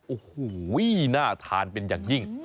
โอ้โหน่าทานเป็นอย่างยิ่ง